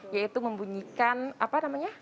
yaitu membunyikan apa namanya